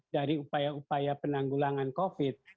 dari upaya upaya penanggulangan covid